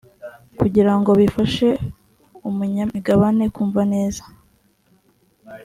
kugira ngo bifashe umunyamigabane kumva neza